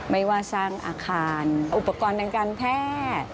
ไม่ว่าสร้างอาคารอุปกรณ์ทางการแพทย์